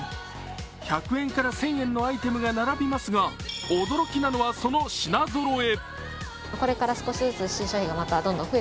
１００円から１０００円のアイテムが並びますが驚きなのが、その品ぞろえ。